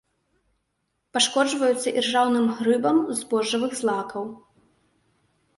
Пашкоджваюцца іржаўным грыбам збожжавых злакаў.